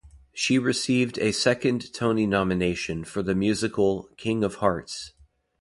She received a second Tony nomination for the musical "King of Hearts".